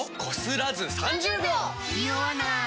ニオわない！